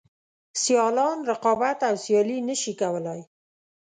سیالان رقابت او سیالي نشي کولای.